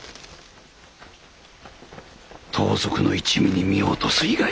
盗賊の一味に身を落とす以外。